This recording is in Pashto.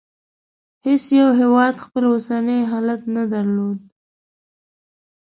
هېڅ یو هېواد خپل اوسنی حالت نه درلود.